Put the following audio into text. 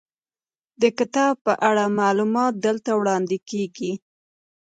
د کتاب په اړه معلومات دلته وړاندې کیږي.